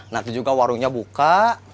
nanti juga warungnya buka